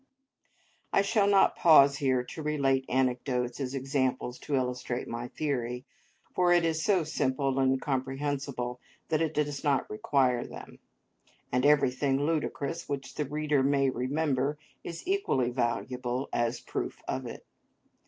I shall not pause here to relate anecdotes as examples to illustrate my theory; for it is so simple and comprehensible that it does not require them, and everything ludicrous which the reader may remember is equally valuable as a proof of it.